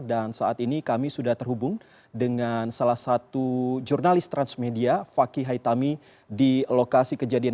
saat ini kami sudah terhubung dengan salah satu jurnalis transmedia fakih haitami di lokasi kejadian